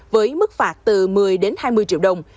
với mức phạt từ một mươi đến hai mươi triệu đồng